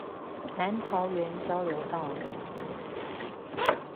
南桃園交流道